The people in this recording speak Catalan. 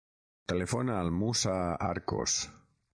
Telefona al Moussa Arcos.